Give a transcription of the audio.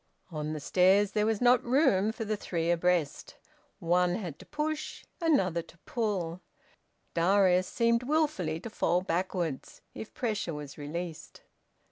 On the stairs there was not room for the three abreast. One had to push, another to pull: Darius seemed wilfully to fall backwards if pressure were released.